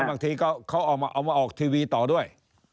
บางทีก็เขาเอามาออกทีวีต่อด้วย